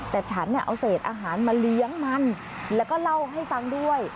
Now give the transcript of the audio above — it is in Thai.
แต่ฉันเอาเศษอาหารมาเลี้ยงมันแล้วก็เล่าให้ฟังด้วย